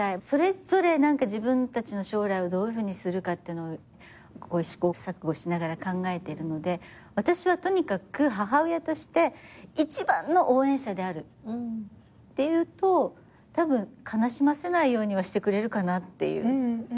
それぞれ自分たちの将来をどういうふうにするかってのを試行錯誤しながら考えてるので私はとにかく母親として一番の応援者であるって言うとたぶん悲しませないようにはしてくれるかなっていう。